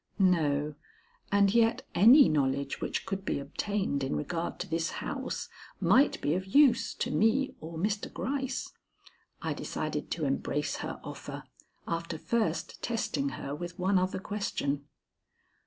No, and yet any knowledge which could be obtained in regard to this house might be of use to me or to Mr. Gryce. I decided to embrace her offer, after first testing her with one other question.